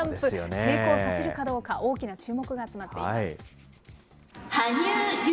成功させるかどうか、大きな注目が集まっています。